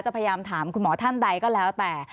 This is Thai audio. พยายามถามคุณหมอท่านใดก็แล้วแต่